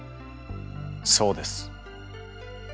そうです。